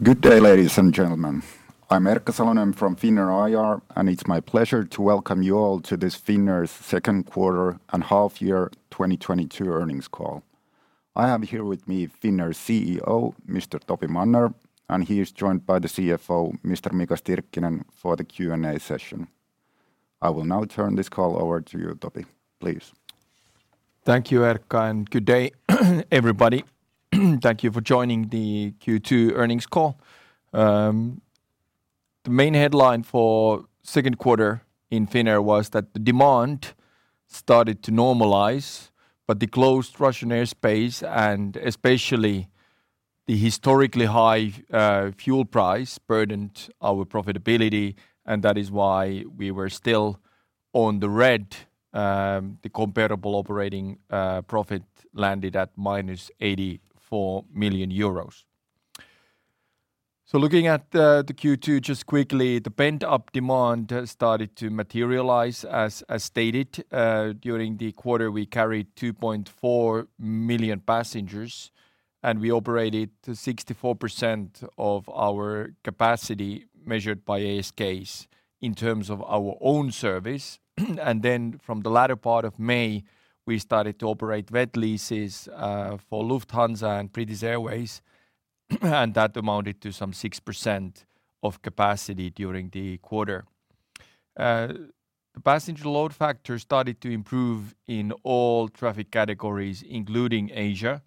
Good day, ladies and gentlemen. I'm Erkka Salonen from Finnair IR, and it's my pleasure to welcome you all to this Finnair's second quarter and half year 2022 earnings call. I have here with me Finnair's CEO, Mr. Topi Manner, and he is joined by the CFO, Mr. Mika Stirkkinen, for the Q&A session. I will now turn this call over to you, Topi, please. Thank you, Erkka, and good day everybody. Thank you for joining the Q2 earnings call. The main headline for second quarter in Finnair was that the demand started to normalize, but the closed Russian airspace and especially the historically high fuel price burdened our profitability, and that is why we were still on the red. The comparable operating profit landed at -84 million euros. Looking at the Q2 just quickly, the pent-up demand started to materialize. As stated during the quarter, we carried 2.4 million passengers, and we operated to 64% of our capacity measured by ASKs in terms of our own service. From the latter part of May, we started to operate wet leases for Lufthansa and British Airways, and that amounted to some 6% of capacity during the quarter. The passenger load factor started to improve in all traffic categories, including Asia.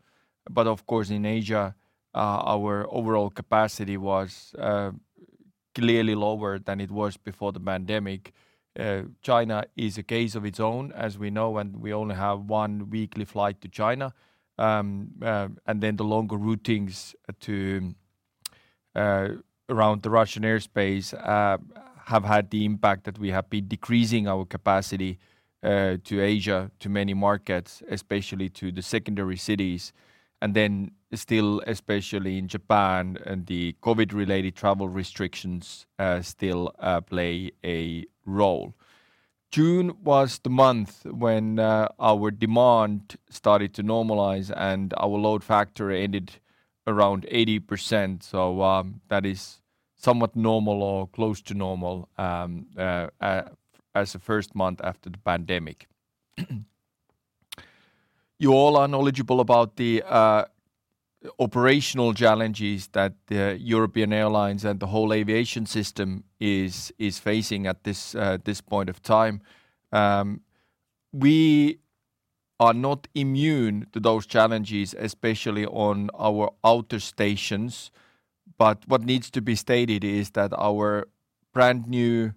Of course, in Asia, our overall capacity was clearly lower than it was before the pandemic. China is a case of its own, as we know, and we only have one weekly flight to China. The longer routings to around the Russian airspace have had the impact that we have been decreasing our capacity to Asia, to many markets, especially to the secondary cities. Still, especially in Japan and the COVID-related travel restrictions play a role. June was the month when our demand started to normalize, and our load factor ended around 80%. That is somewhat normal or close to normal as the first month after the pandemic. You all are knowledgeable about the operational challenges that the European airlines and the whole aviation system is facing at this point of time. We are not immune to those challenges, especially on our outer stations. What needs to be stated is that our brand new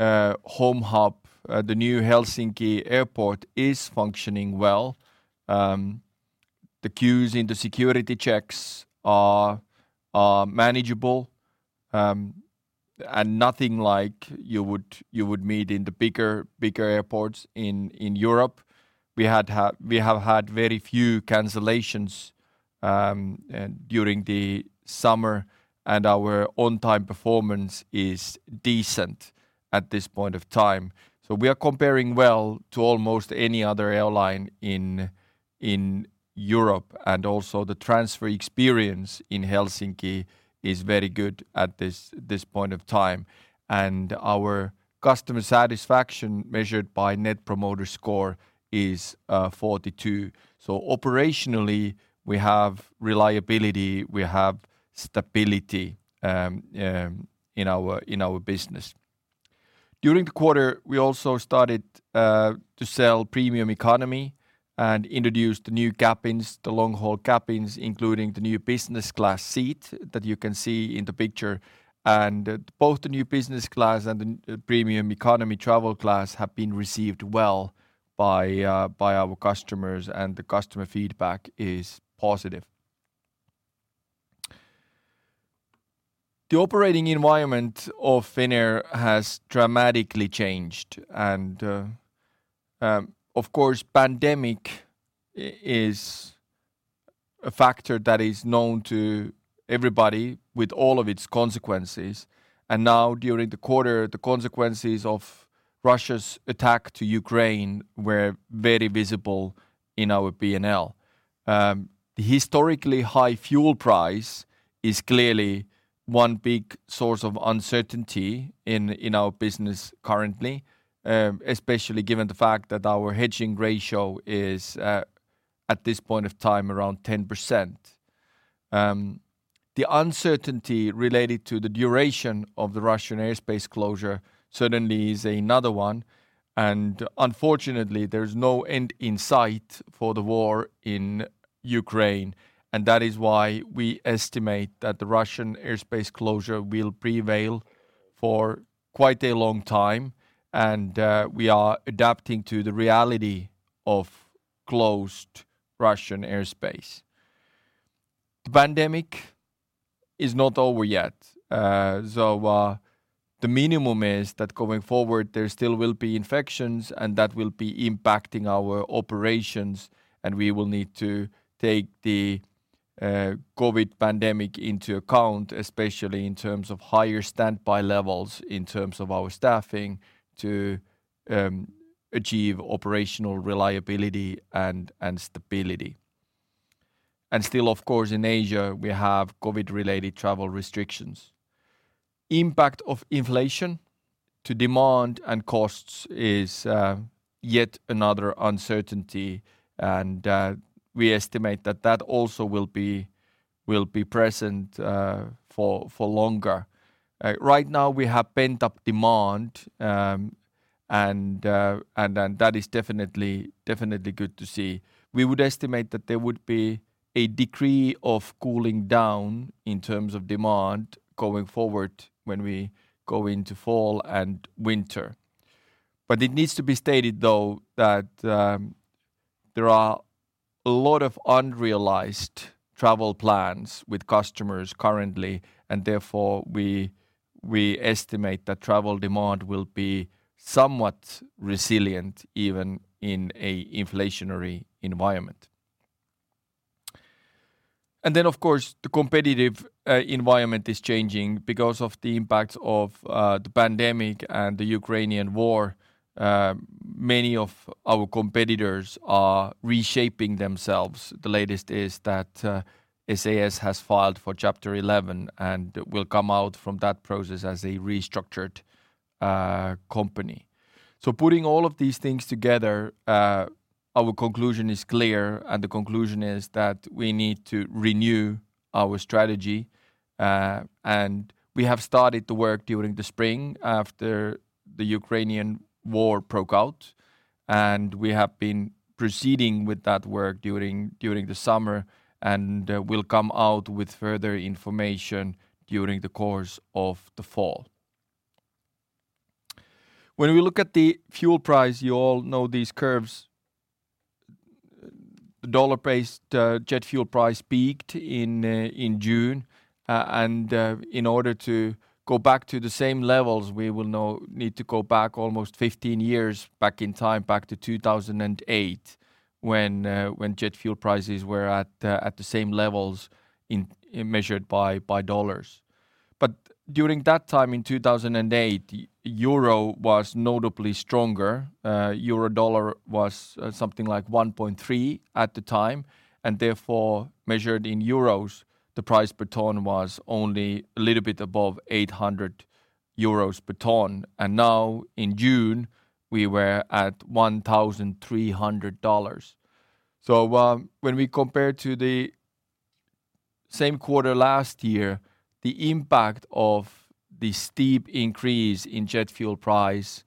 home hub, the new Helsinki Airport, is functioning well. The queues in the security checks are manageable, and nothing like you would meet in the bigger airports in Europe. We have had very few cancellations during the summer, and our on-time performance is decent at this point of time. We are comparing well to almost any other airline in Europe. Also the transfer experience in Helsinki is very good at this point of time. Our customer satisfaction measured by Net Promoter Score is 42. Operationally, we have reliability, we have stability in our business. During the quarter, we also started to sell Premium Economy and introduced the new cabins, the long-haul cabins, including the new Business Class seat that you can see in the picture. Both the new Business Class and the Premium Economy travel class have been received well by our customers, and the customer feedback is positive. The operating environment of Finnair has dramatically changed and, of course, pandemic is a factor that is known to everybody with all of its consequences. Now during the quarter, the consequences of Russia's attack to Ukraine were very visible in our P&L. Historically high fuel price is clearly one big source of uncertainty in our business currently, especially given the fact that our hedging ratio is at this point of time around 10%. The uncertainty related to the duration of the Russian airspace closure certainly is another one, and unfortunately, there's no end in sight for the war in Ukraine. That is why we estimate that the Russian airspace closure will prevail for quite a long time, and we are adapting to the reality of closed Russian airspace. The pandemic is not over yet. The minimum is that going forward, there still will be infections and that will be impacting our operations and we will need to take the COVID pandemic into account, especially in terms of higher standby levels, in terms of our staffing to achieve operational reliability and stability. Still, of course, in Asia, we have COVID-related travel restrictions. Impact of inflation to demand and costs is yet another uncertainty, and we estimate that that also will be present for longer. Right now we have pent-up demand, and then that is definitely good to see. We would estimate that there would be a degree of cooling down in terms of demand going forward when we go into fall and winter. It needs to be stated though that there are a lot of unrealized travel plans with customers currently and therefore we estimate that travel demand will be somewhat resilient even in a inflationary environment. Then of course, the competitive environment is changing because of the impact of the pandemic and the Ukrainian war. Many of our competitors are reshaping themselves. The latest is that SAS has filed for Chapter 11 and will come out from that process as a restructured company. Putting all of these things together, our conclusion is clear, and the conclusion is that we need to renew our strategy. We have started the work during the spring after the Ukrainian war broke out, and we have been proceeding with that work during the summer, and we'll come out with further information during the course of the fall. When we look at the fuel price, you all know these curves. The dollar-based jet fuel price peaked in June. In order to go back to the same levels, we will now need to go back almost 15 years back in time, back to 2008 when jet fuel prices were at the same levels, measured by dollars. But during that time in 2008, euro was notably stronger. Euro dollar was something like 1.3 at the time, and therefore measured in euros, the price per ton was only a little bit above 800 euros per ton. Now in June, we were at $1,300. When we compare to the same quarter last year, the impact of the steep increase in jet fuel price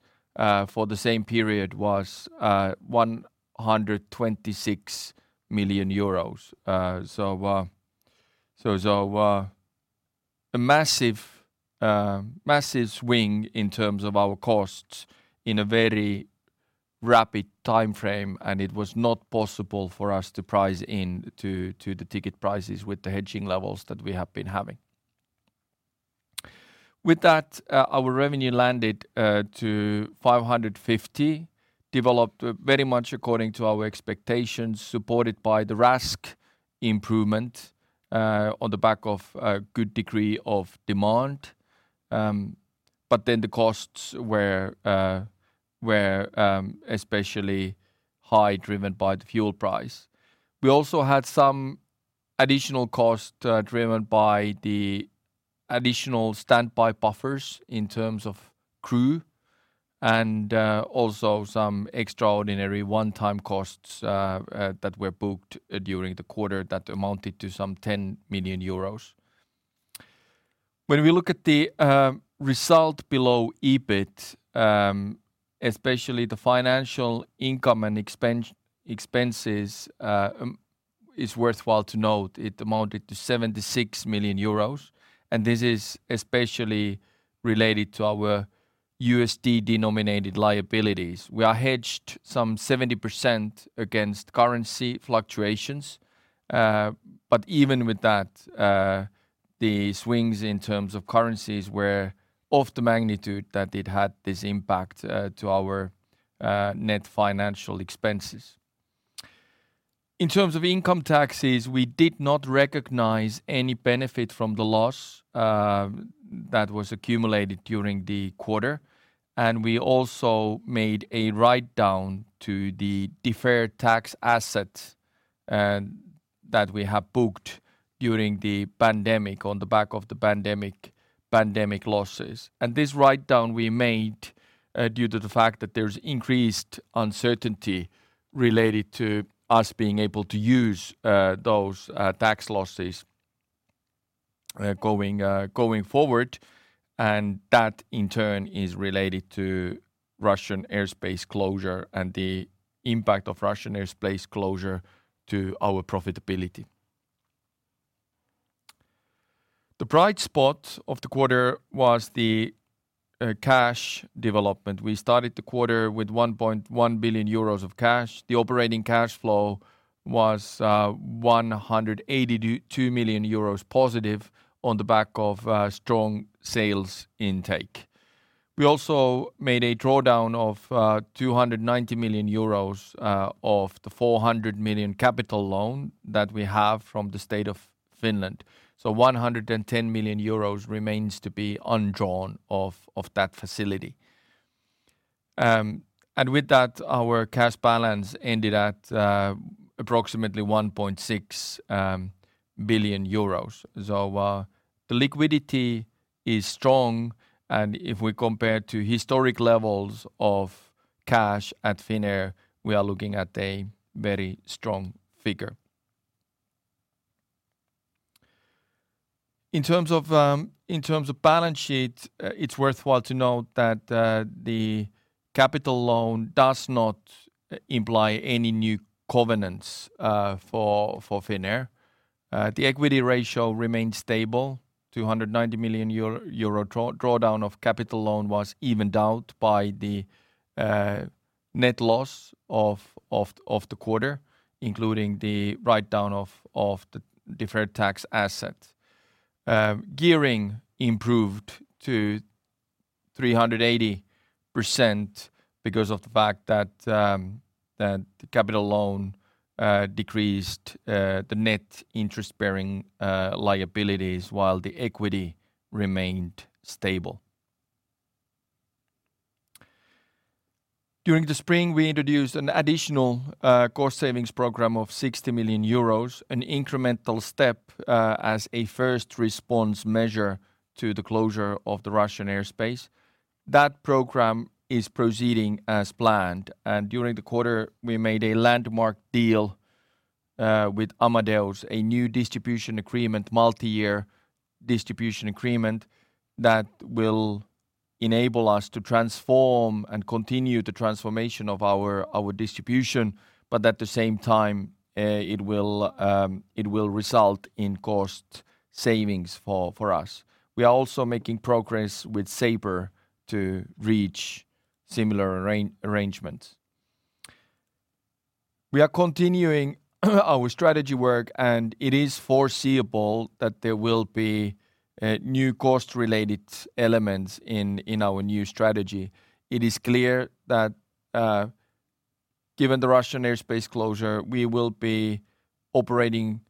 for the same period was 126 million euros. A massive swing in terms of our costs in a very rapid timeframe, and it was not possible for us to price into the ticket prices with the hedging levels that we have been having. With that, our revenue landed to 550, developed very much according to our expectations, supported by the RASK improvement on the back of a good degree of demand. The costs were especially high, driven by the fuel price. We also had some additional cost driven by the additional standby buffers in terms of crew and also some extraordinary one-time costs that were booked during the quarter that amounted to some 10 million euros. When we look at the result below EBIT, especially the financial income and expenses is worthwhile to note it amounted to 76 million euros, and this is especially related to our USD-denominated liabilities. We are hedged some 70% against currency fluctuations. Even with that, the swings in terms of currencies were of the magnitude that it had this impact to our net financial expenses. In terms of income taxes, we did not recognize any benefit from the loss that was accumulated during the quarter. We also made a write-down to the deferred tax asset, and that we have booked during the pandemic on the back of the pandemic losses. This write-down we made due to the fact that there's increased uncertainty related to us being able to use those tax losses going forward, and that in turn is related to Russian airspace closure and the impact of Russian airspace closure to our profitability. The bright spot of the quarter was the cash development. We started the quarter with 1.1 billion euros of cash. The operating cash flow was 182 million euros positive on the back of strong sales intake. We also made a drawdown of 290 million euros of the 400 million capital loan that we have from the state of Finland. 110 million euros remains to be undrawn of that facility. With that our cash balance ended at approximately 1.6 billion euros. The liquidity is strong and if we compare to historic levels of cash at Finnair, we are looking at a very strong figure. In terms of balance sheet, it's worthwhile to note that the capital loan does not imply any new covenants for Finnair. The equity ratio remains stable. 290 million euro drawdown of capital loan was evened out by the net loss of the quarter, including the write-down of the deferred tax asset. Gearing improved to 380% because of the fact that the capital loan decreased the net interest-bearing liabilities while the equity remained stable. During the spring, we introduced an additional cost savings program of 60 million euros, an incremental step as a first response measure to the closure of the Russian airspace. That program is proceeding as planned, and during the quarter we made a landmark deal with Amadeus, a new distribution agreement, multi-year distribution agreement that will enable us to transform and continue the transformation of our distribution, but at the same time, it will result in cost savings for us. We are also making progress with Sabre to reach similar arrangements. We are continuing our strategy work and it is foreseeable that there will be new cost-related elements in our new strategy. It is clear that, given the Russian airspace closure, we will be operating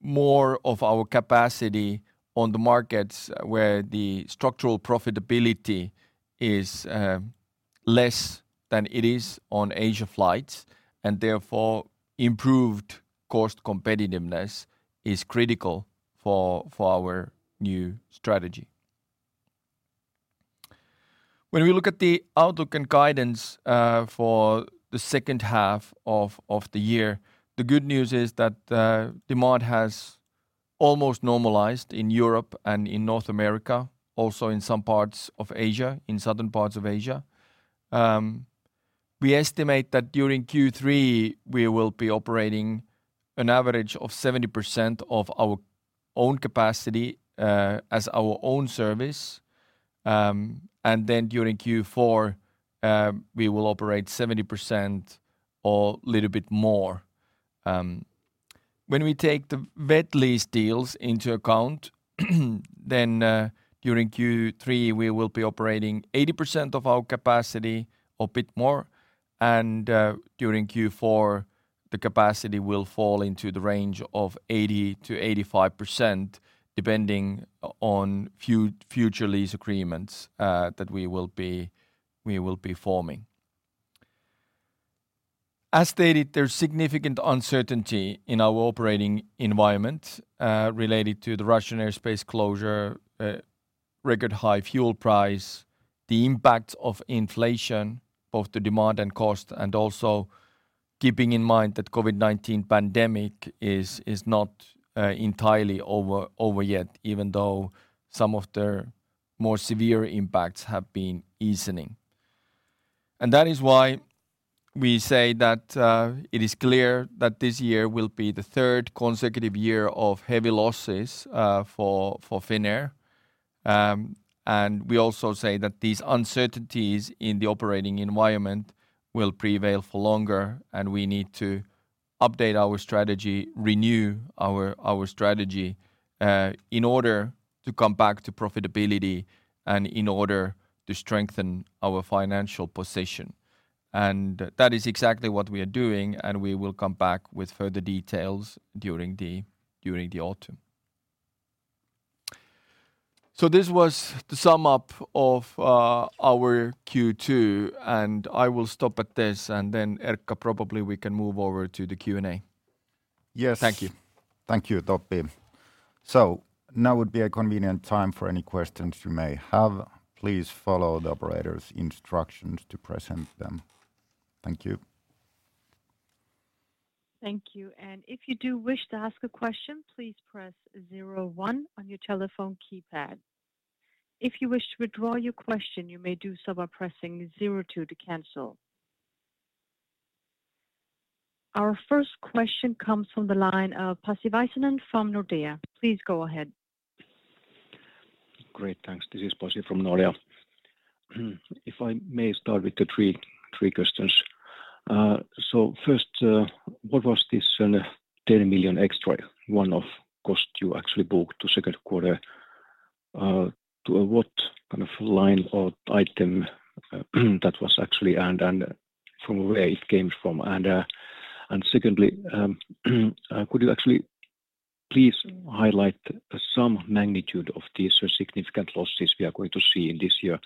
more of our capacity on the markets where the structural profitability is less than it is on Asia flights and therefore improved cost competitiveness is critical for our new strategy. When we look at the outlook and guidance for the second half of the year, the good news is that demand has almost normalized in Europe and in North America, also in some parts of Asia, in southern parts of Asia. We estimate that during Q3 we will be operating an average of 70% of our own capacity as our own service. During Q4 we will operate 70% or little bit more. When we take the wet lease deals into account, during Q3 we will be operating 80% of our capacity or bit more, and during Q4 the capacity will fall into the range of 80%-85% depending on future lease agreements that we will be forming. As stated, there's significant uncertainty in our operating environment related to the Russian airspace closure, record high fuel price, the impact of inflation, both the demand and cost, and also keeping in mind that COVID-19 pandemic is not entirely over yet, even though some of the more severe impacts have been easing. That is why we say that it is clear that this year will be the third consecutive year of heavy losses for Finnair. We also say that these uncertainties in the operating environment will prevail for longer and we need to update our strategy, renew our strategy in order to come back to profitability and in order to strengthen our financial position. That is exactly what we are doing, and we will come back with further details during the autumn. This was the sum up of our Q2 and I will stop at this and then, Erkka, probably we can move over to the Q&A. Yeah. Thank you. Thank you, Topi. Now would be a convenient time for any questions you may have. Please follow the operator's instructions to present them. Thank you. Thank you. If you do wish to ask a question, please press zero one on your telephone keypad. If you wish to withdraw your question, you may do so by pressing zero two to cancel. Our first question comes from the line of Pasi Väisänen from Nordea. Please go ahead. Great. Thanks. This is Pasi from Nordea. If I may start with the three questions. So first, what was this 30 million extra one-off cost you actually booked to second quarter? To what kind of line or item that was actually earned and from where it came from? And secondly, could you actually please highlight some magnitude of these significant losses we are going to see in this year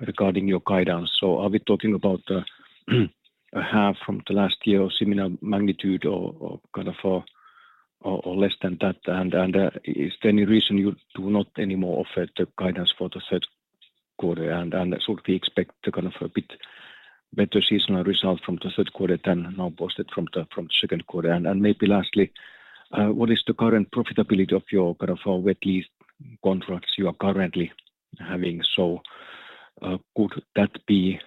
regarding your guidance. So are we talking about a half from the last year or similar magnitude or kind of a less than that? Is there any reason you do not anymore offer the guidance for the third quarter? Should we expect to kind of a bit better seasonal result from the third quarter than now posted from the second quarter? Maybe lastly, what is the current profitability of your kind of wet lease contracts you are currently having? Could that be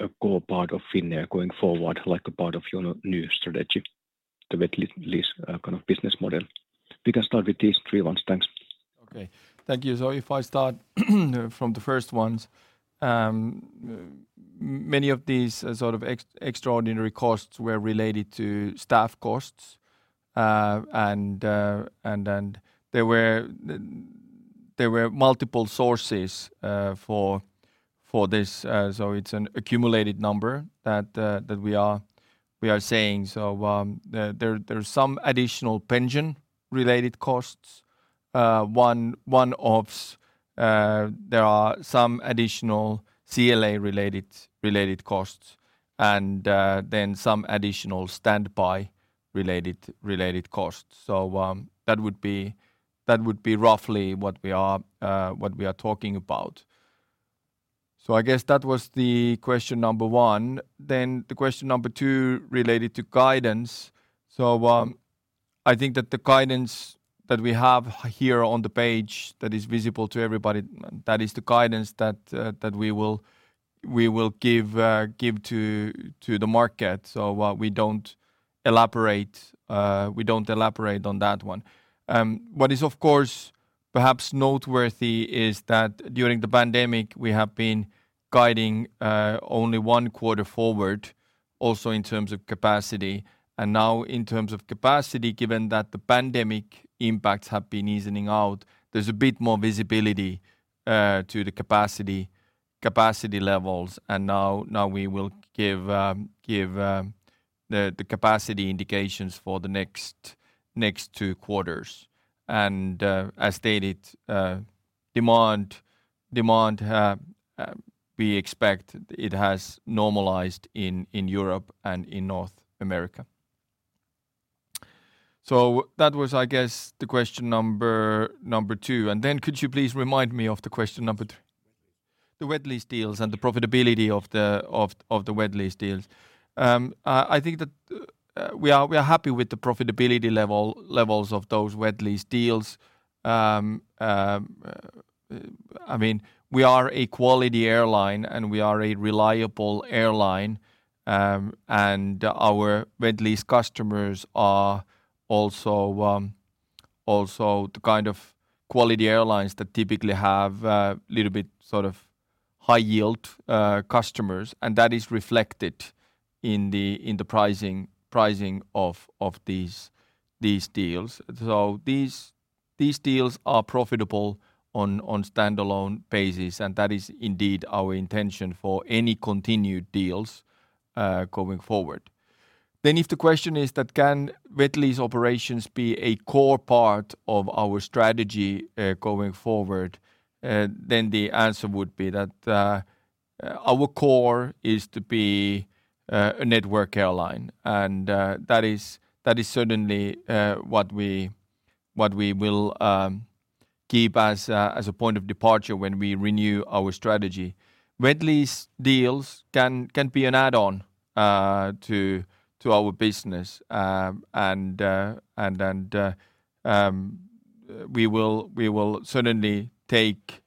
a core part of Finnair going forward, like a part of your new strategy, the wet lease kind of business model? We can start with these three ones. Thanks. Thank you. If I start from the first ones, many of these sort of extraordinary costs were related to staff costs. There were multiple sources for this. It's an accumulated number that we are saying. There's some additional pension related costs. One-offs. There are some additional CLA related costs and then some additional standby related costs. That would be roughly what we are talking about. I guess that was the question number one. The question number two related to guidance. I think that the guidance that we have here on the page that is visible to everybody, that is the guidance that we will give to the market. We don't elaborate on that one. What is of course perhaps noteworthy is that during the pandemic we have been guiding only one quarter forward also in terms of capacity. Now in terms of capacity, given that the pandemic impacts have been easing out, there's a bit more visibility to the capacity levels. Now we will give the capacity indications for the next two quarters. As stated, we expect it has normalized in Europe and in North America. That was, I guess, the question number two. Could you please remind me of the question number? The wet lease deals and the profitability of the wet lease deals. I think that we are happy with the profitability levels of those wet lease deals. I mean, we are a quality airline, and we are a reliable airline. And our wet lease customers are also the kind of quality airlines that typically have a little bit sort of high yield customers, and that is reflected in the pricing of these deals. These deals are profitable on standalone basis, and that is indeed our intention for any continued deals going forward. If the question is that can wet lease operations be a core part of our strategy going forward? The answer would be that our core is to be a network airline. That is certainly what we will keep as a point of departure when we renew our strategy. Wet lease deals can be an add-on to our business. We will certainly take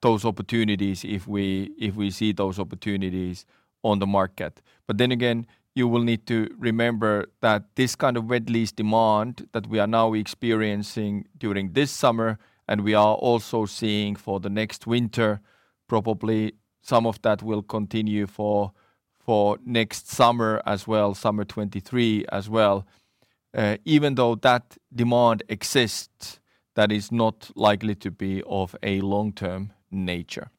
those opportunities if we see those opportunities on the market. You will need to remember that this kind of wet lease demand that we are now experiencing during this summer, and we are also seeing for the next winter, probably some of that will continue for next summer as well, summer 2023 as well. Even though that demand exists, that is not likely to be of a long-term nature.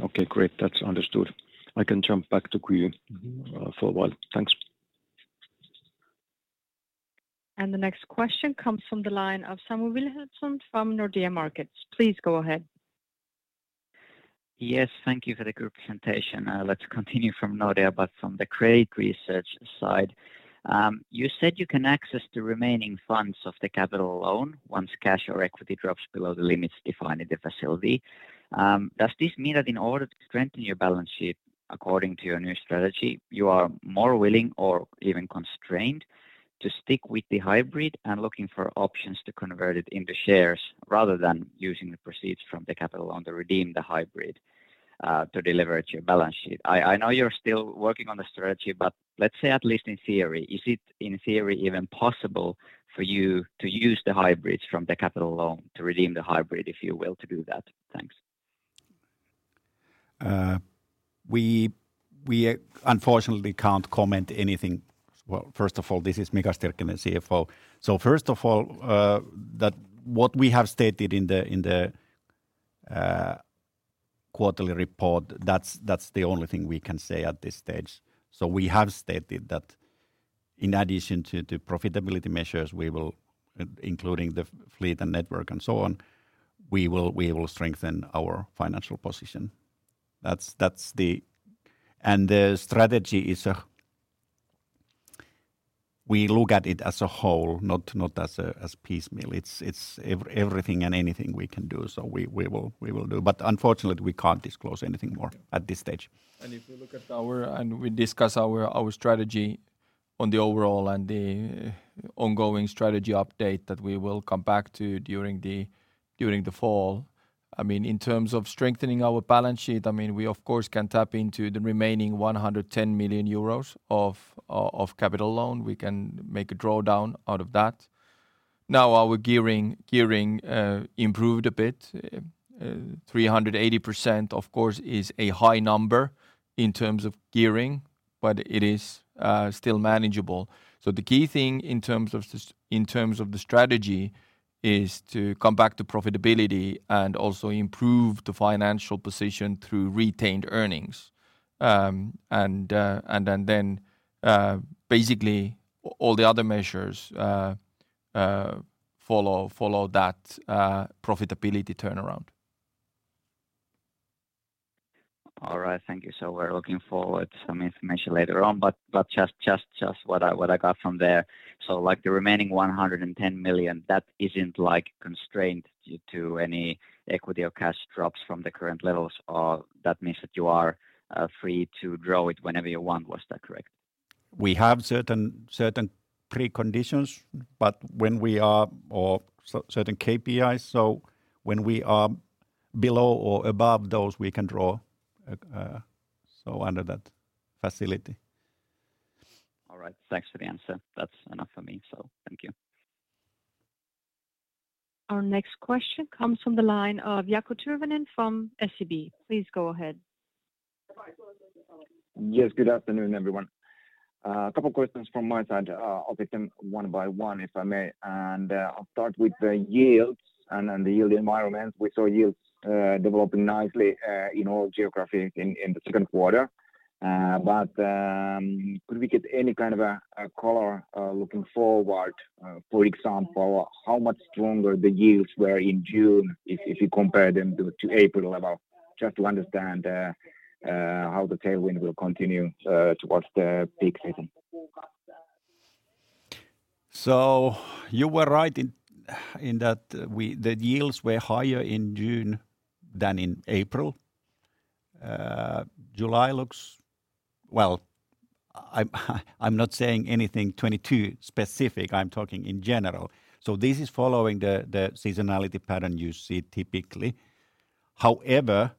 Okay, great. That's understood. I can jump back to queue for a while. Thanks. The next question comes from the line of Samu Wilhelmsson from Nordea Markets. Please go ahead. Yes, thank you for the group presentation. Let's continue from Nordea, but from the credit research side. You said you can access the remaining funds of the capital loan once cash or equity drops below the limits defined in the facility. Does this mean that in order to strengthen your balance sheet according to your new strategy, you are more willing or even constrained to stick with the hybrid and looking for options to convert it into shares rather than using the proceeds from the capital loan to redeem the hybrid, to deleverage your balance sheet? I know you're still working on the strategy, but let's say at least in theory, is it in theory even possible for you to use the funds from the capital loan to redeem the hybrid, if you will to do that? Thanks. We unfortunately can't comment anything. Well, first of all, this is Mika Stirkkinen, CFO. First of all, that what we have stated in the. Quarterly report, that's the only thing we can say at this stage. We have stated that in addition to profitability measures, including the fleet and network and so on, we will strengthen our financial position. That's the strategy. We look at it as a whole, not as piecemeal. It's everything and anything we can do, so we will do. Unfortunately, we can't disclose anything more at this stage. If we look at our strategy on the overall and the ongoing strategy update that we will come back to during the fall. I mean, in terms of strengthening our balance sheet, I mean, we, of course, can tap into the remaining 110 million euros of capital loan. We can make a drawdown out of that. Now, our gearing improved a bit. 380%, of course, is a high number in terms of gearing, but it is still manageable. The key thing in terms of the strategy is to come back to profitability and also improve the financial position through retained earnings. Basically all the other measures follow that profitability turnaround. All right. Thank you. We're looking forward to some information later on, but just what I got from there. Like, the remaining 110 million, that isn't, like, constrained due to any equity or cash drops from the current levels, or that means that you are free to draw it whenever you want. Was that correct? We have certain preconditions or certain KPIs. When we are below or above those, we can draw under that facility. All right. Thanks for the answer. That's enough for me, so thank you. Our next question comes from the line of Jaakko Tyrväinen from SEB. Please go ahead. Yes. Good afternoon, everyone. A couple questions from my side. I'll take them one by one, if I may. I'll start with the yields and the yield environment. We saw yields developing nicely in all geographies in the second quarter. Could we get any kind of a color looking forward, for example, how much stronger the yields were in June if you compare them to April level, just to understand how the tailwind will continue towards the peak season? You were right in that the yields were higher in June than in April. Well, I'm not saying anything 2022 specific. I'm talking in general. This is following the seasonality pattern you see typically. However,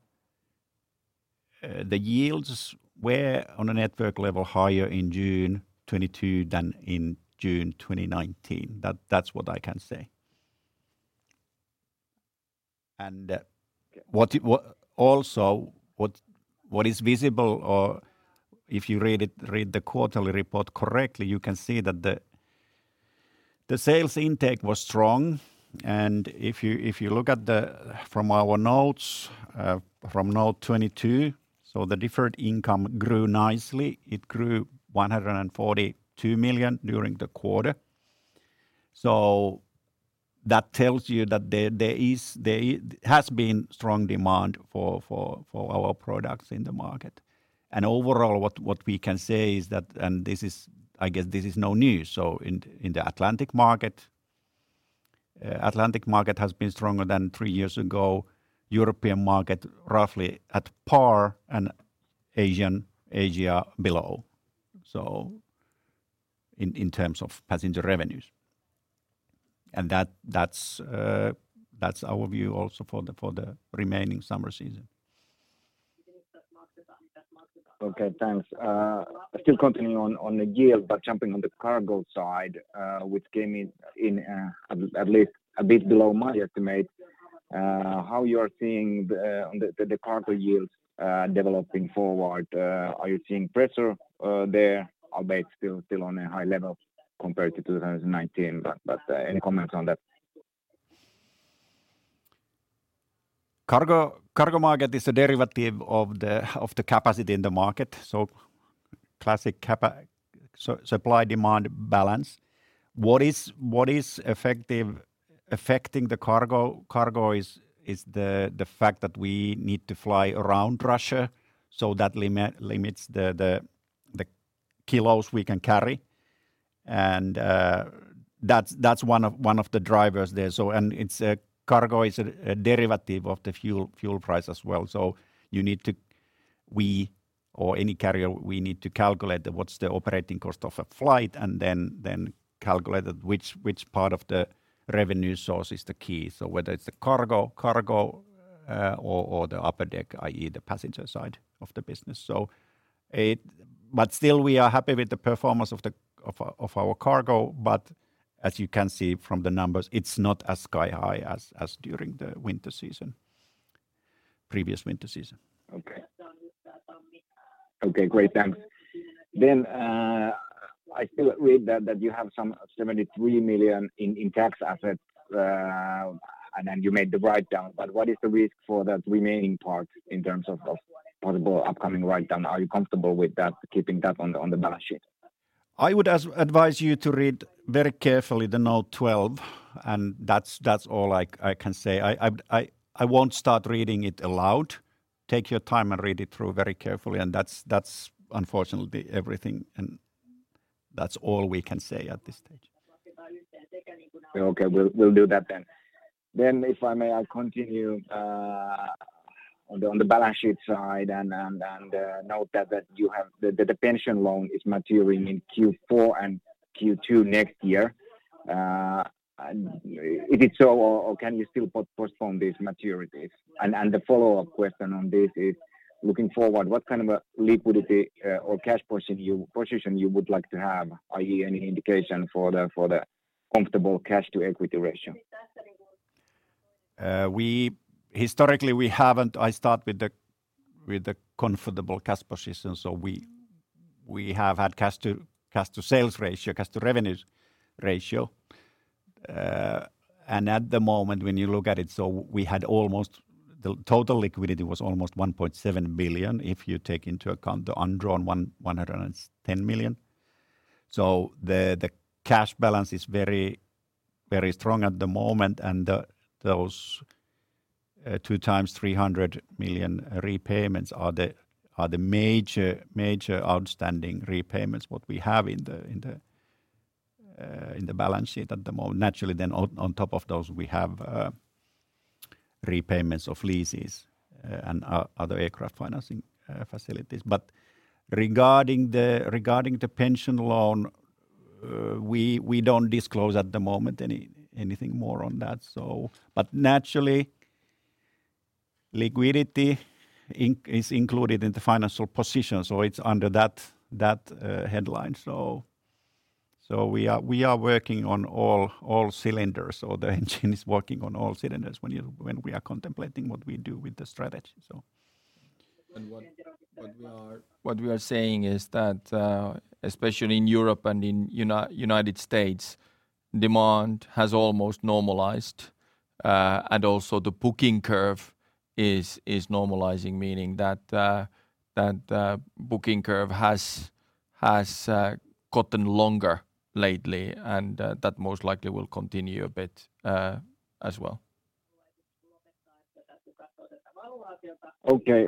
the yields were on a network level higher in June 2022 than in June 2019. That's what I can say. What is visible or if you read the quarterly report correctly, you can see that the sales intake was strong. If you look from our notes, from note 22, so the deferred income grew nicely. It grew 142 million during the quarter. That tells you that there has been strong demand for our products in the market. Overall, what we can say is that this is no news, I guess. The Atlantic market has been stronger than three years ago. European market roughly at par and Asia below, so in terms of passenger revenues. That's our view also for the remaining summer season. Okay. Thanks. Still continuing on the yield, but jumping on the cargo side, which came in at least a bit below my estimate. How are you seeing the cargo yields developing forward? Are you seeing pressure there, albeit still on a high level compared to 2019, but any comments on that? Cargo market is a derivative of the capacity in the market, so supply-demand balance. What is affecting the cargo is the fact that we need to fly around Russia, so that limits the kilos we can carry. That's one of the drivers there. Cargo is a derivative of the fuel price as well. We or any carrier need to calculate what's the operating cost of a flight and then calculate which part of the revenue source is the key. Whether it's the cargo or the upper deck, i.e., the passenger side of the business. Still we are happy with the performance of our cargo. As you can see from the numbers, it's not as sky high as during the winter season, previous winter season. Okay, great. Thanks. I still read that you have 73 million in tax assets. You made the write-down. What is the risk for that remaining part in terms of possible upcoming write-down? Are you comfortable with that, keeping that on the balance sheet? I would advise you to read very carefully the Note 12 and that's all I can say. I won't start reading it aloud. Take your time and read it through very carefully. That's unfortunately everything and that's all we can say at this stage. Okay. We'll do that then. If I may, I'll continue on the balance sheet side and note that the pension loan is maturing in Q4 and Q2 next year. If it's so or can you still postpone these maturities? The follow-up question on this is looking forward, what kind of a liquidity or cash position you would like to have? Do you have any indication for the comfortable cash to equity ratio? I start with the comfortable cash position. We have had cash to sales ratio, cash to revenues ratio. And at the moment when you look at it, the total liquidity was almost 1.7 billion if you take into account the undrawn 110 million. The cash balance is very strong at the moment. Those two 300 million repayments are the major outstanding repayments what we have in the balance sheet at the moment. Naturally on top of those we have repayments of leases and other aircraft financing facilities. Regarding the pension loan, we don't disclose at the moment anything more on that. Naturally, liquidity is included in the financial position, so it's under that headline. We are working on all cylinders or the engine is working on all cylinders when we are contemplating what we do with the strategy. What we are saying is that, especially in Europe and in United States, demand has almost normalized. Also the booking curve is normalizing, meaning that booking curve has gotten longer lately and that most likely will continue a bit, as well. Okay.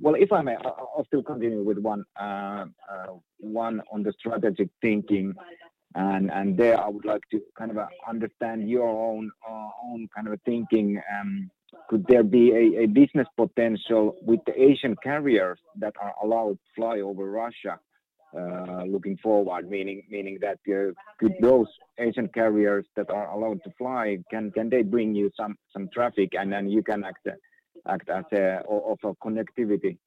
Well, if I may, I'll still continue with one on the strategic thinking and there I would like to kind of understand your own thinking. Could there be a business potential with the Asian carriers that are allowed to fly over Russia looking forward? Meaning that those Asian carriers that are allowed to fly can bring you some traffic and then you can act as an offer connectivity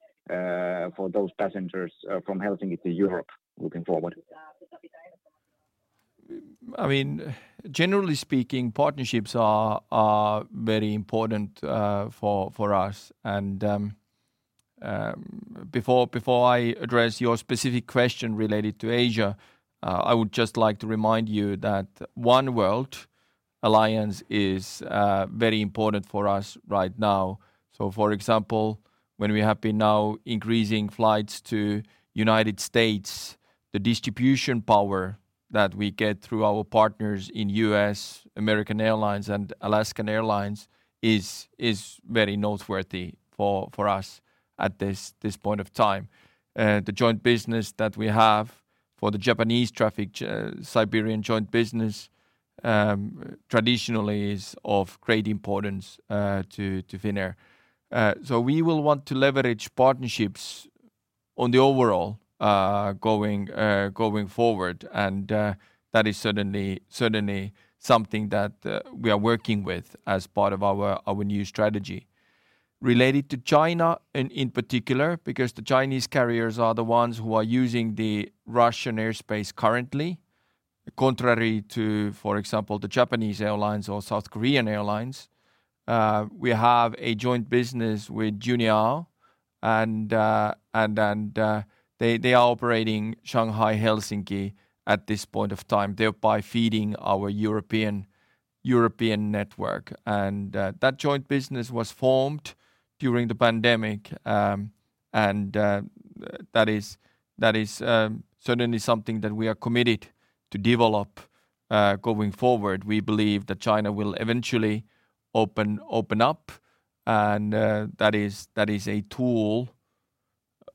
for those passengers from Helsinki to Europe looking forward? I mean, generally speaking, partnerships are very important for us. Before I address your specific question related to Asia, I would just like to remind you that Oneworld alliance is very important for us right now. For example, when we have been now increasing flights to United States, the distribution power that we get through our partners in U.S., American Airlines and Alaska Airlines is very noteworthy for us at this point of time. The joint business that we have for the Japanese traffic, Siberian Joint Business, traditionally is of great importance to Finnair. We will want to leverage partnerships on the overall going forward. That is certainly something that we are working with as part of our new strategy. Related to China in particular, because the Chinese carriers are the ones who are using the Russian airspace currently, contrary to, for example, the Japanese airlines or South Korean airlines, we have a joint business with Juneyao and they are operating Shanghai-Helsinki at this point of time, thereby feeding our European network. That joint business was formed during the pandemic. That is certainly something that we are committed to develop going forward. We believe that China will eventually open up and that is a tool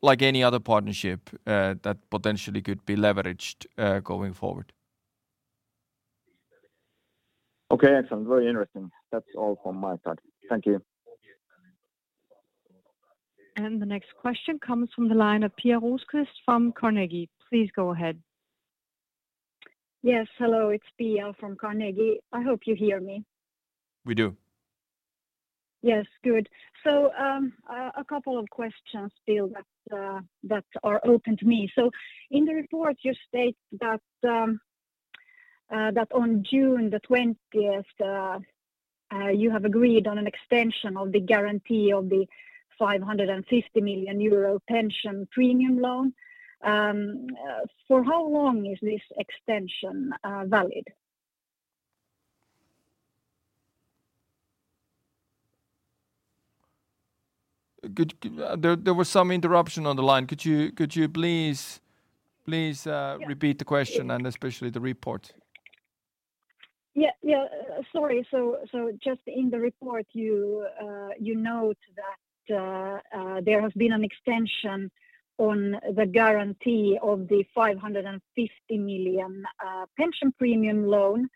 like any other partnership that potentially could be leveraged going forward. Okay. Excellent. Very interesting. That's all from my side. Thank you. The next question comes from the line of Pia Rosqvist-Heinsalmi from Carnegie. Please go ahead. Yes. Hello, it's Pia from Carnegie. I hope you hear me. We do. Yes. Good. A couple of questions still that are open to me. In the report you state that on June 20th, you have agreed on an extension of the guarantee of the 550 million euro pension premium loan. For how long is this extension valid? There was some interruption on the line. Could you please Yeah Repeat the question and especially the report? Sorry. Just in the report you note that there has been an extension on the guarantee of the 550 million pension premium loan.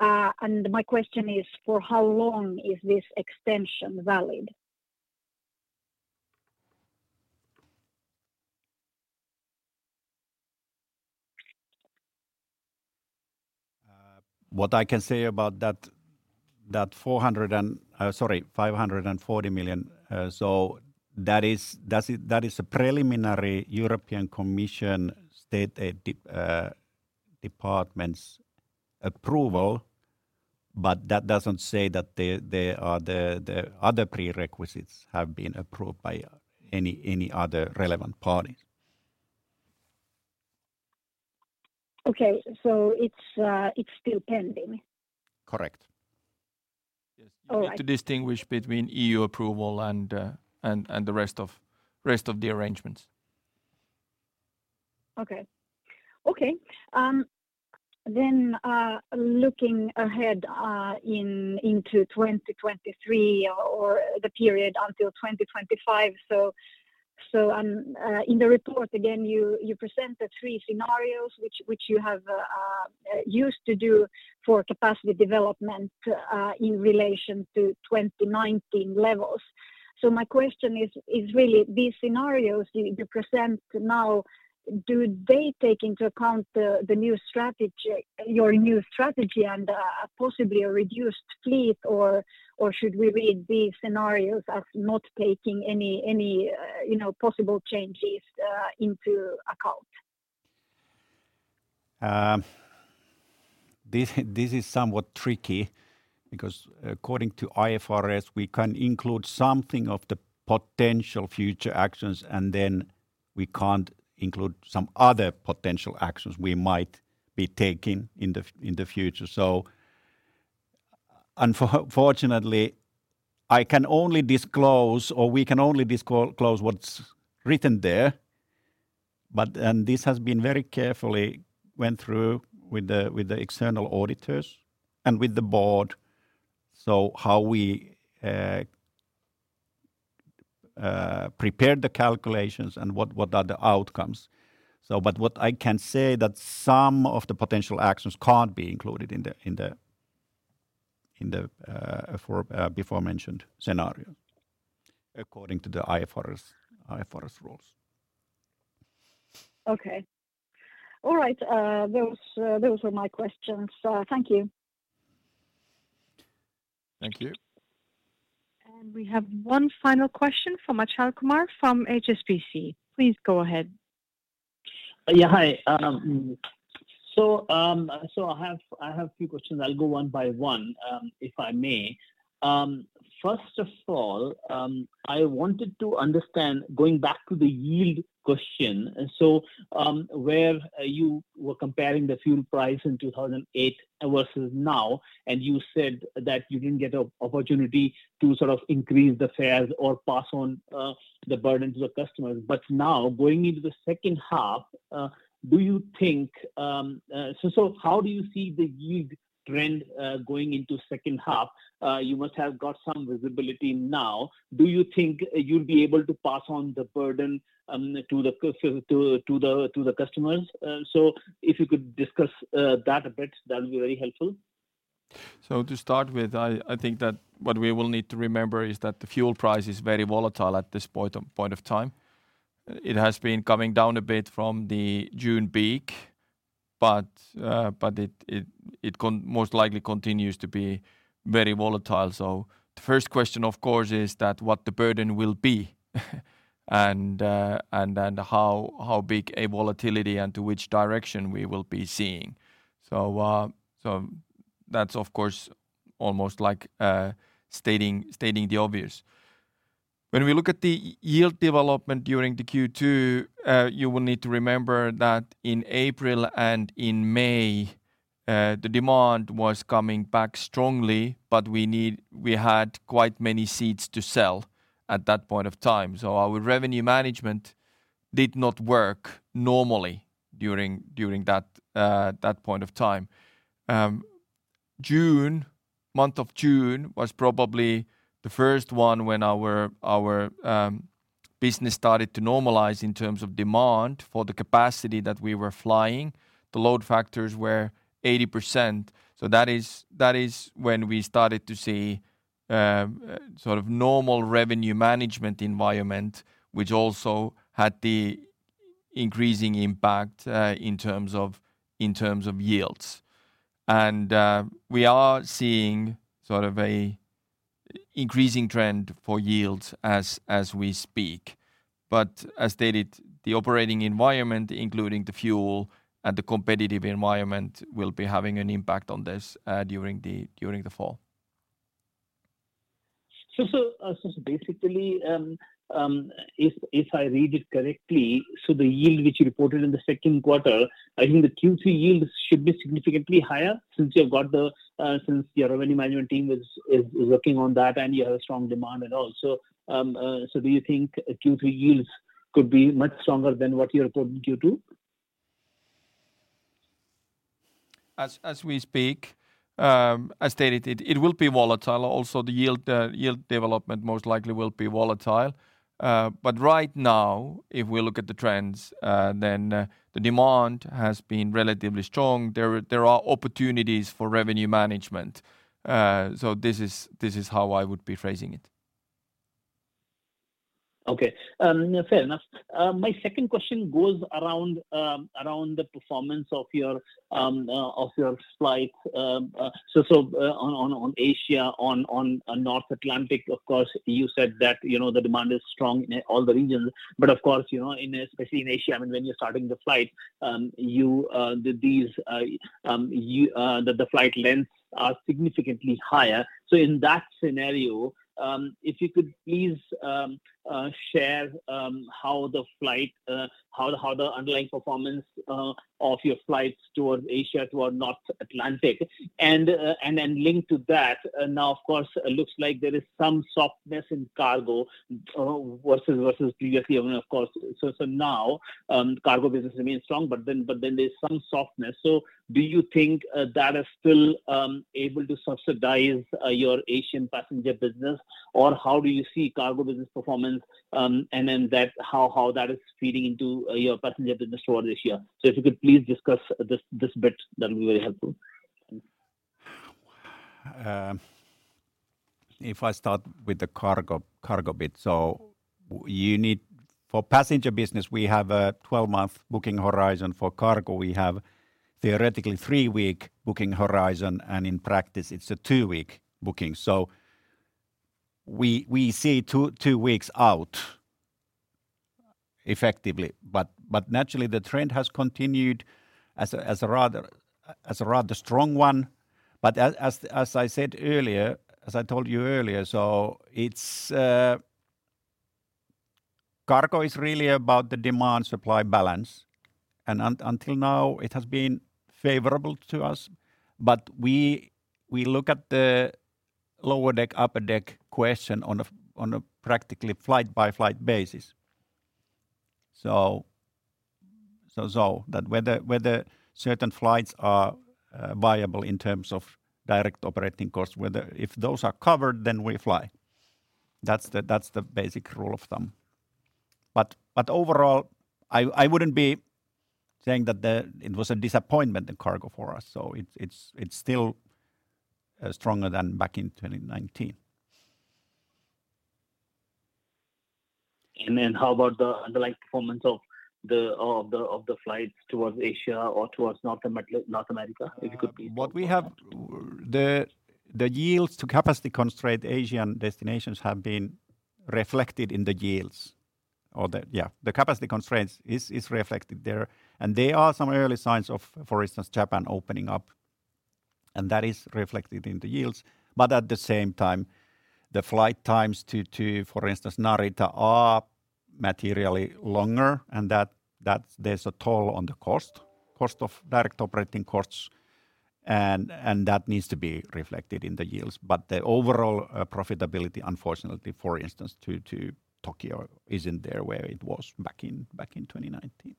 My question is, for how long is this extension valid? What I can say about that, 540 million, so that is a preliminary European Commission state aid approval, but that doesn't say that the other prerequisites have been approved by any other relevant parties. Okay. It's still pending? Correct. Yes. All right. You need to distinguish between EU approval and the rest of the arrangements. Looking ahead into 2023 or the period until 2025, so in the report, again, you present the three scenarios which you have used to do for capacity development in relation to 2019 levels. My question is really these scenarios you present now, do they take into account the new strategy, your new strategy and possibly a reduced fleet or should we read these scenarios as not taking any you know possible changes into account? This is somewhat tricky because according to IFRS, we can include something of the potential future actions, and then we can't include some other potential actions we might be taking in the future. Unfortunately, I can only disclose, or we can only disclose what's written there, but this has been very carefully went through with the external auditors and with the board. How we prepared the calculations and what are the outcomes. But what I can say that some of the potential actions can't be included in the before mentioned scenario according to the IFRS rules. Okay. All right. Those were my questions. Thank you. Thank you. We have one final question from Achal Kumar from HSBC. Please go ahead. Yeah. Hi. I have a few questions. I'll go one by one, if I may. First of all, I wanted to understand, going back to the yield question, where you were comparing the fuel price in 2008 versus now, and you said that you didn't get an opportunity to sort of increase the fares or pass on the burden to the customers. Now going into the second half, do you think. How do you see the yield trend going into second half? You must have got some visibility now. Do you think you'll be able to pass on the burden to the customers? If you could discuss that a bit, that would be very helpful. To start with, I think that what we will need to remember is that the fuel price is very volatile at this point of time. It has been coming down a bit from the June peak, but it most likely continues to be very volatile. The first question, of course, is that what the burden will be, and then how big a volatility and to which direction we will be seeing. That's of course almost like stating the obvious. When we look at the yield development during the Q2, you will need to remember that in April and in May, the demand was coming back strongly, but we had quite many seats to sell at that point of time. Our revenue management did not work normally during that point of time. June, month of June was probably the first one when our business started to normalize in terms of demand for the capacity that we were flying. The load factors were 80%, that is when we started to see sort of normal revenue management environment, which also had the increasing impact in terms of yields. We are seeing sort of an increasing trend for yields as we speak. As stated, the operating environment, including the fuel and the competitive environment, will be having an impact on this during the fall. Basically, if I read it correctly, the yield which you reported in the second quarter, I think the Q3 yields should be significantly higher since your revenue management team is working on that and you have a strong demand and all. Do you think Q3 yields could be much stronger than what you reported Q2? As we speak, as stated, it will be volatile. Also, the yield development most likely will be volatile. Right now, if we look at the trends, the demand has been relatively strong. There are opportunities for revenue management. This is how I would be phrasing it. Okay. Fair enough. My second question goes around the performance of your flights, so on Asia, on North Atlantic. Of course, you said that, you know, the demand is strong in all the regions. Of course, you know, especially in Asia, I mean, when you're starting the flight, these flight lengths are significantly higher. In that scenario, if you could please share how the underlying performance of your flights towards Asia, towards North Atlantic and then linked to that, now of course it looks like there is some softness in cargo versus previously, I mean, of course. Now, cargo business remains strong, but then there's some softness. Do you think that is still able to subsidize your Asian passenger business? Or how do you see cargo business performance, and then that, how that is feeding into your passenger business for this year? If you could please discuss this bit, that would be very helpful. If I start with the cargo bit. For passenger business, we have a 12-month booking horizon. For cargo, we have theoretically three-week booking horizon, and in practice it's a two-week booking. We see two weeks out effectively. Naturally the trend has continued as a rather strong one. As I said earlier, as I told you earlier, cargo is really about the demand-supply balance, and until now it has been favorable to us. We look at the lower deck, upper deck question on a practical flight by flight basis. Whether certain flights are viable in terms of direct operating costs, whether if those are covered, then we fly. That's the basic rule of thumb. Overall, I wouldn't be saying that it was a disappointment in cargo for us. It's still stronger than back in 2019. Then how about the underlying performance of the flights towards Asia or towards North America? If you could please. The yields to capacity-constrained Asian destinations have been reflected in the yields. The capacity constraints is reflected there. There are some early signs of, for instance, Japan opening up, and that is reflected in the yields. At the same time, the flight times to, for instance, Narita are materially longer and that there's a toll on the cost of direct operating costs and that needs to be reflected in the yields. The overall profitability unfortunately, for instance, to Tokyo isn't there where it was back in 2019.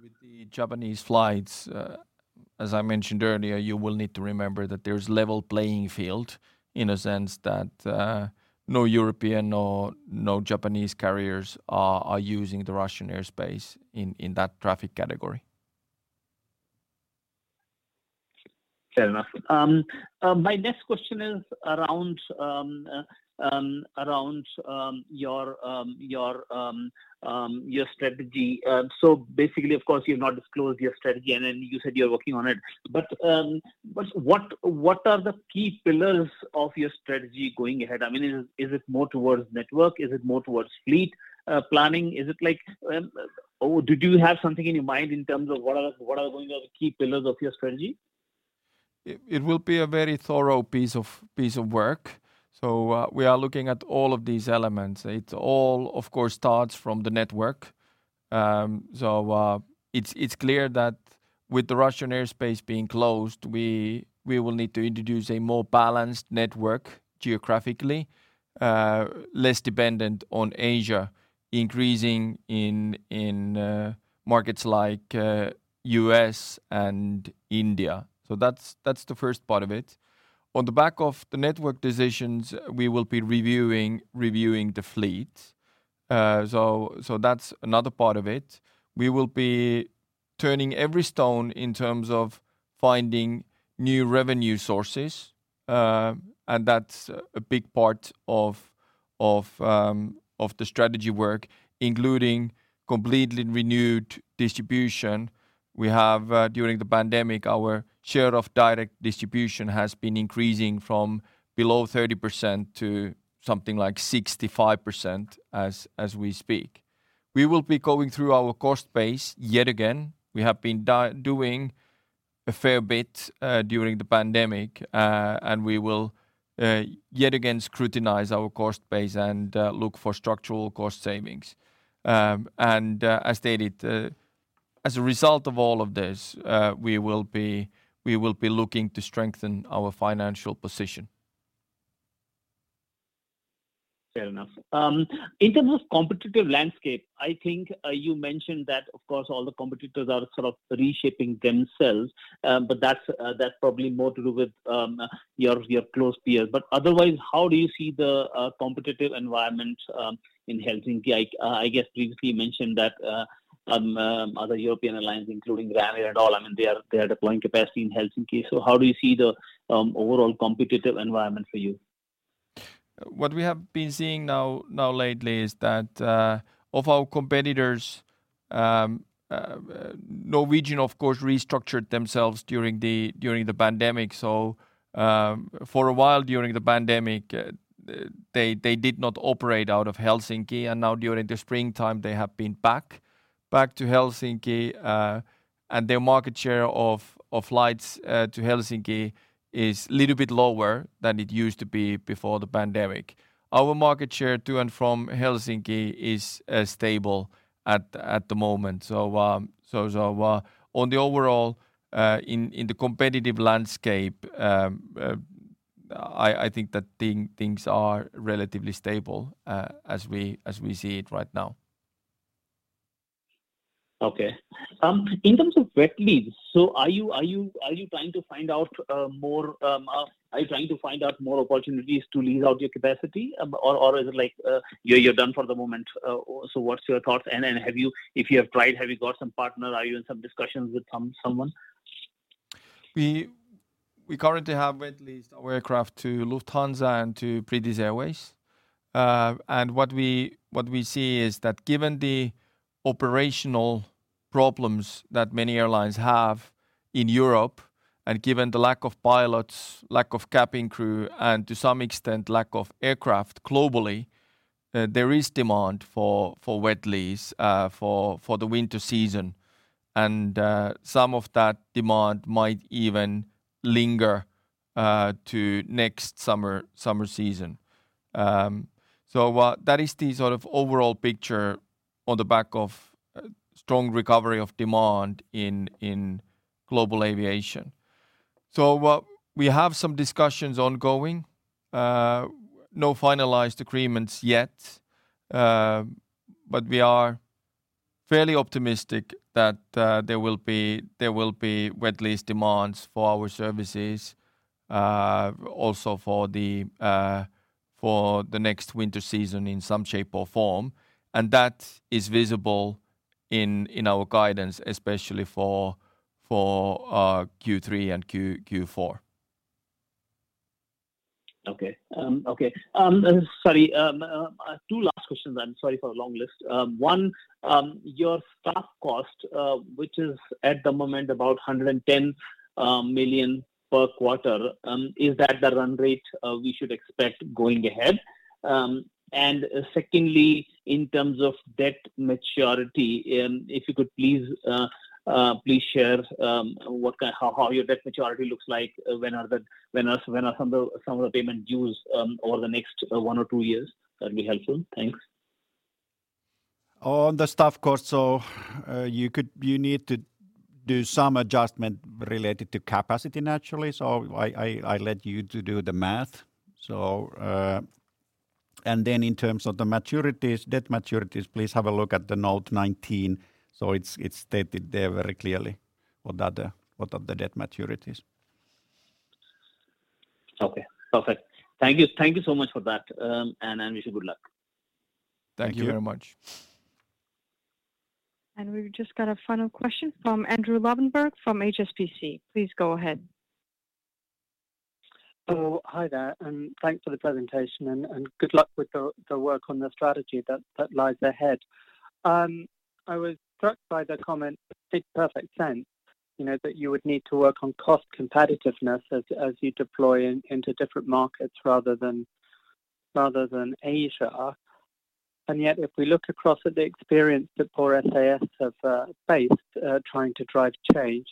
With the Japanese flights, as I mentioned earlier, you will need to remember that there's level playing field in a sense that no European, no Japanese carriers are using the Russian airspace in that traffic category. Fair enough. My next question is around your strategy. So basically, of course, you've not disclosed your strategy and then you said you're working on it. What are the key pillars of your strategy going ahead? I mean, is it more towards network? Is it more towards fleet planning? Is it like, or do you have something in your mind in terms of what are going to be the key pillars of your strategy? It will be a very thorough piece of work. We are looking at all of these elements. It all, of course, starts from the network. It's clear that with the Russian airspace being closed, we will need to introduce a more balanced network geographically, less dependent on Asia, increasing in markets like U.S. and India. That's the first part of it. On the back of the network decisions, we will be reviewing the fleet. That's another part of it. We will be turning every stone in terms of finding new revenue sources, and that's a big part of the strategy work, including completely renewed distribution. We have during the pandemic, our share of direct distribution has been increasing from below 30% to something like 65% as we speak. We will be going through our cost base yet again. We have been doing a fair bit during the pandemic, and we will yet again scrutinize our cost base and look for structural cost savings. As stated, as a result of all of this, we will be looking to strengthen our financial position. Fair enough. In terms of competitive landscape, I think you mentioned that, of course, all the competitors are sort of reshaping themselves. That's probably more to do with your close peers. Otherwise, how do you see the competitive environment in Helsinki? I guess previously you mentioned that other European airlines including Ryanair and all, I mean, they are deploying capacity in Helsinki. How do you see the overall competitive environment for you? What we have been seeing now lately is that of our competitors, Norwegian of course restructured themselves during the pandemic. For a while during the pandemic, they did not operate out of Helsinki, and now during the springtime they have been back to Helsinki. Their market share of flights to Helsinki is little bit lower than it used to be before the pandemic. Our market share to and from Helsinki is stable at the moment. Overall, in the competitive landscape, I think that things are relatively stable as we see it right now. Okay. In terms of wet lease, are you trying to find out more opportunities to lease out your capacity, or is it like you're done for the moment? What's your thoughts? If you have tried, have you got some partners? Are you in some discussions with someone? We currently have wet leased our aircraft to Lufthansa and to British Airways. What we see is that given the operational problems that many airlines have in Europe, and given the lack of pilots, lack of cabin crew, and to some extent lack of aircraft globally, there is demand for wet lease for the winter season. Some of that demand might even linger to next summer season. That is the sort of overall picture on the back of strong recovery of demand in global aviation. We have some discussions ongoing. No finalized agreements yet, but we are fairly optimistic that there will be wet lease demands for our services also for the next winter season in some shape or form. That is visible in our guidance, especially for Q3 and Q4. Okay. Sorry, two last questions. I'm sorry for a long list. One, your staff cost, which is at the moment about 110 million per quarter, is that the run rate we should expect going ahead? Secondly, in terms of debt maturity, if you could please share how your debt maturity looks like? When are some of the payment dues over the next one or two years? That'd be helpful. Thanks. On the staff cost, you need to do some adjustment related to capacity naturally. I'll let you do the math. In terms of the maturities, debt maturities, please have a look at the Note 19. It's stated there very clearly what the debt maturities are. Okay. Perfect. Thank you. Thank you so much for that. Wish you good luck. Thank you very much. Thank you. We've just got a final question from Andrew Lobbenberg from HSBC. Please go ahead. Hi there, and thanks for the presentation and good luck with the work on the strategy that lies ahead. I was struck by the comment, it makes perfect sense, you know, that you would need to work on cost competitiveness as you deploy into different markets rather than Asia. Yet, if we look across at the experience that poor SAS have faced trying to drive change,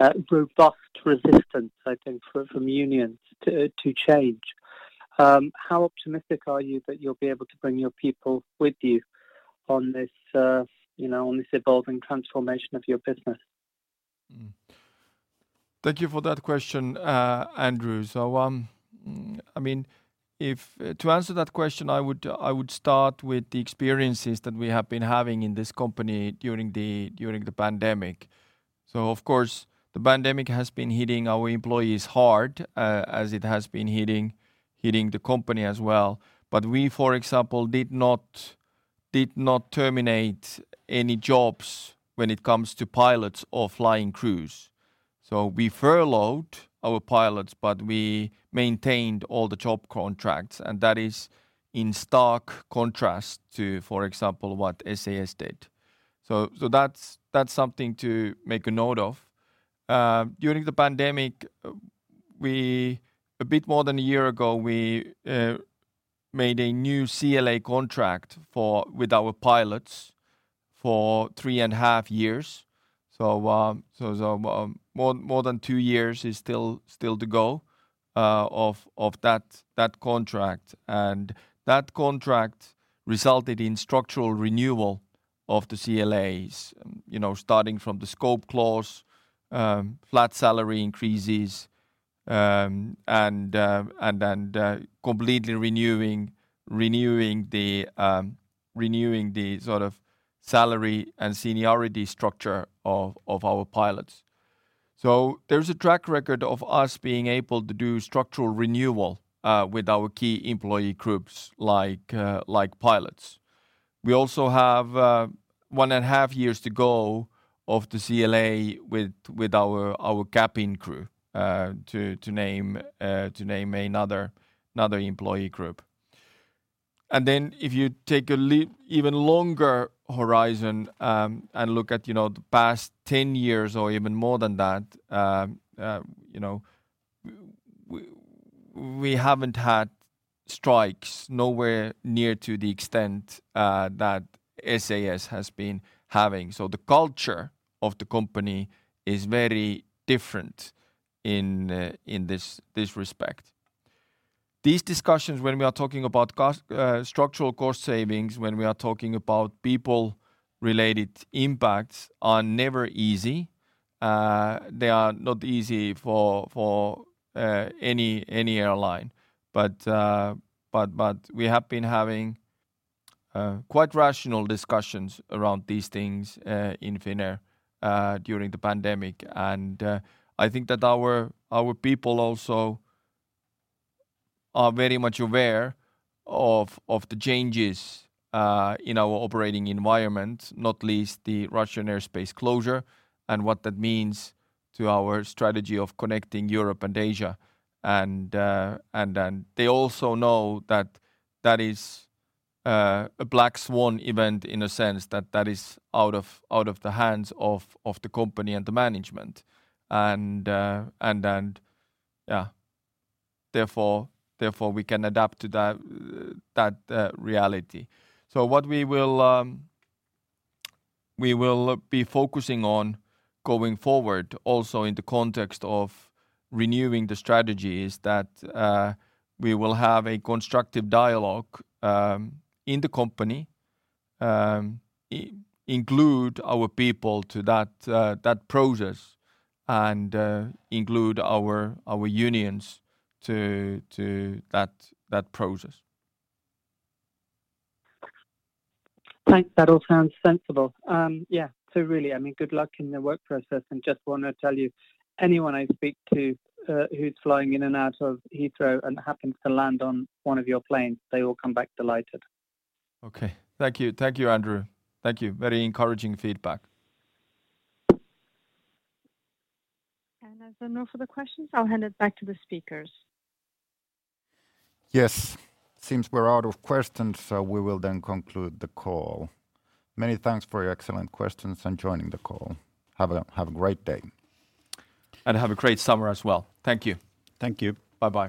they've come across an extremely robust resistance, I think, from unions to change. How optimistic are you that you'll be able to bring your people with you on this, you know, on this evolving transformation of your business? Thank you for that question, Andrew. To answer that question, I would start with the experiences that we have been having in this company during the pandemic. Of course, the pandemic has been hitting our employees hard, as it has been hitting the company as well. We, for example, did not terminate any jobs when it comes to pilots or flying crews. We furloughed our pilots, but we maintained all the job contracts, and that is in stark contrast to, for example, what SAS did. That's something to make a note of. During the pandemic, a bit more than a year ago, we made a new CLA contract with our pilots for three and a half years. More than two years is still to go of that contract. That contract resulted in structural renewal of the CLAs, you know, starting from the scope clause, flat salary increases, and then completely renewing the sort of salary and seniority structure of our pilots. There's a track record of us being able to do structural renewal with our key employee groups like pilots. We also have 1.5 years to go of the CLA with our cabin crew to name another employee group. If you take even longer horizon, and look at, you know, the past 10 years or even more than that, you know, we haven't had strikes nowhere near to the extent that SAS has been having. The culture of the company is very different in this respect. These discussions when we are talking about structural cost savings, when we are talking about people-related impacts are never easy. They are not easy for any airline. We have been having quite rational discussions around these things in Finnair during the pandemic. I think that our people also are very much aware of the changes in our operating environment, not least the Russian airspace closure and what that means to our strategy of connecting Europe and Asia. They also know that that is a black swan event in a sense that that is out of the hands of the company and the management. Therefore we can adapt to that reality. What we will be focusing on going forward also in the context of renewing the strategy is that we will have a constructive dialogue in the company, include our people to that process and include our unions to that process. Thanks. That all sounds sensible. Yeah, so really, I mean, good luck in the work process. Just wanna tell you, anyone I speak to, who's flying in and out of Heathrow and happens to land on one of your planes, they all come back delighted. Okay. Thank you. Thank you, Andrew. Thank you. Very encouraging feedback. As there are no further questions, I'll hand it back to the speakers. Yes. Seems we're out of questions, we will then conclude the call. Many thanks for your excellent questions and joining the call. Have a great day. Have a great summer as well. Thank you. Thank you. Bye-bye.